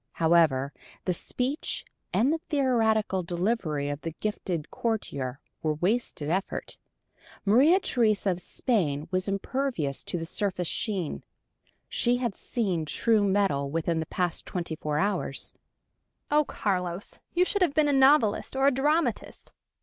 However, the speech and the theatrical delivery of the gifted courtier were wasted effort. Maria Theresa of Spain was impervious to the surface sheen: she had seen true metal within the past twenty four hours! "Oh, Carlos you should have been a novelist or a dramatist!